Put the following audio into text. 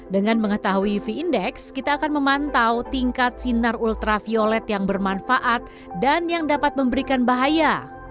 dengan mengetahui uv index kita akan memantau tingkat sinar ultraviolet yang bermanfaat dan yang dapat memberikan bahaya